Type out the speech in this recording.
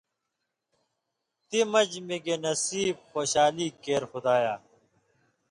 تی مژ مِگے نصیب خوشالی کېر خدایا